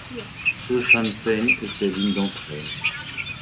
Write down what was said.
Sochan Pen était l'une d'entre elles.